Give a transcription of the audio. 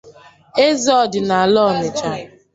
eze ọdịnala Ọnịtsha